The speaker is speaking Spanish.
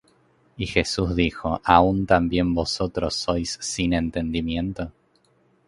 Y Jesús dijo: ¿Aun también vosotros sois sin entendimiento?